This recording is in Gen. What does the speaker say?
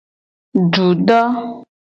Dudo.